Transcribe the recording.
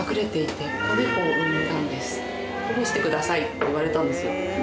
って言われたんですよ。